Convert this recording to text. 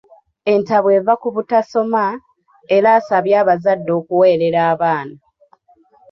Entabwe eva ku butasoma, era asabye abazadde okuweerera abaana.